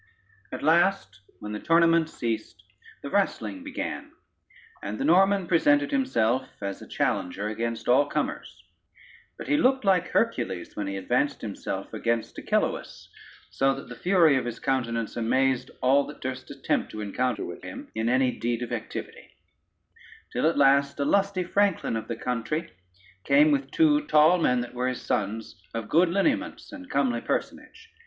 [Footnote 1: cap of open work.] At last, when the tournament ceased, the wrastling began, and the Norman presented himself as a challenger against all comers, but he looked like Hercules when he advanced himself against Achelous, so that the fury of his countenance amazed all that durst attempt to encounter with him in any deed of activity: till at last a lusty franklin of the country came with two tall men that were his sons, of good lineaments and comely personage.